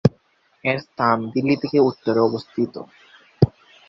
এই স্থান দিল্লি থেকে উত্তরে অবস্থিত।